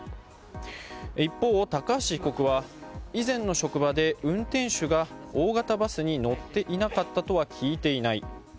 一方、高橋被告は以前の職場で運転手が大型バスに乗っていなかったとは聞いていない。